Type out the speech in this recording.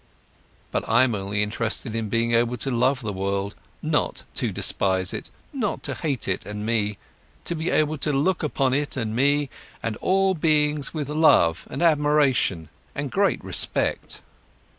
But I'm only interested in being able to love the world, not to despise it, not to hate it and me, to be able to look upon it and me and all beings with love and admiration and great respect."